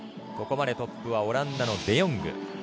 ここまでトップはオランダのデ・ヨング。